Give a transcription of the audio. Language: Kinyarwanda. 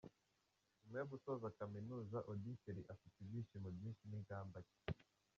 Nyuma yo gusoza kaminuza, Auddy Kelly afite ibyishimo byinshi n'ingamba nshya.